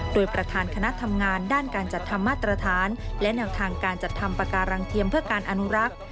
โดยประธานคณะทำงานด้านการจัดทำมาตรฐานและแนวทางการจัดทำปากการังเทียมเพื่อการอนุรักษ์